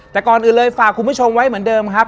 แต่ก่อนอื่นเลยฝากคุณผู้ชมไว้เหมือนเดิมครับ